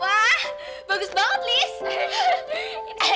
wah bagus banget liz